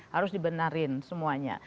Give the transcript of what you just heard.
harus dibenarin semuanya